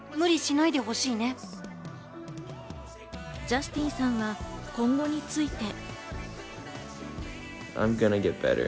ジャスティンさんは今後について。